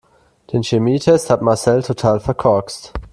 Den Chemietest hat Marcel total verkorkst.